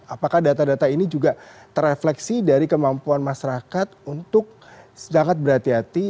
apakah data data ini juga terefleksi dari kemampuan masyarakat untuk sangat berhati hati